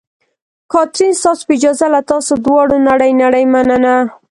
کاترین: ستاسو په اجازه، له تاسو دواړو نړۍ نړۍ مننه.